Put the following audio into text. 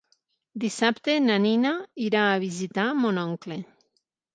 Dissabte na Nina irà a visitar mon oncle.